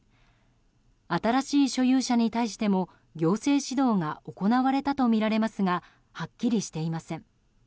新しい所有者に対しても行政指導が行われたとみられますがはっきりしていません。